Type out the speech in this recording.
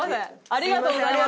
ありがとうございます。